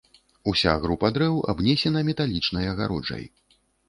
Уся група дрэў абнесена металічнай агароджай.